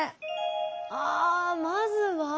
あまずは。